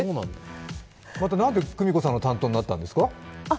またなんで久美子さんの担当になったんですか？